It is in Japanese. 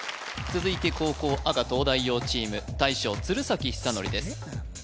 続いて後攻赤東大王チーム大将鶴崎修功です